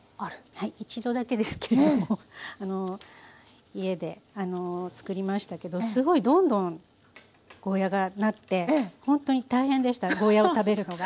はい一度だけですけども家で作りましたけどすごいどんどんゴーヤーがなってほんとに大変でしたゴーヤーを食べるのが。